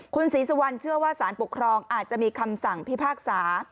คุณศรีสุวรรณเชื่อว่าสารปกครองอาจจะมีคำสั่งพิพากษา